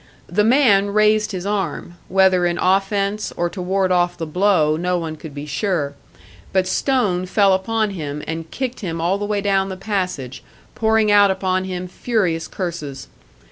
The man raised his arm whether in offence or to ward off the blow, no one could be sure; but Stone fell upon him and kicked him all the way down the passage, pouring out upon him furious curses.